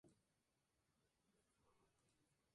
Su recorrido en dirección a la Sierra de Gádor.